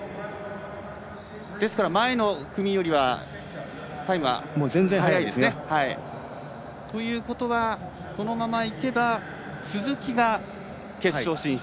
前の組よりはタイムは速いですね。ということは、このままいけば鈴木が決勝進出。